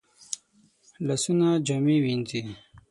لاسونه جامې وینځي